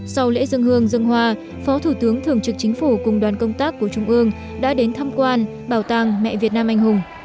sau lễ dân hương dân hoa phó thủ tướng thường trực chính phủ cùng đoàn công tác của trung ương đã đến thăm quan bảo tàng mẹ việt nam anh hùng